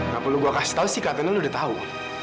gak perlu gue kasih tau sih katanya udah tahu